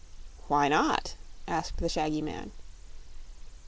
"Why not?" asked the shaggy man.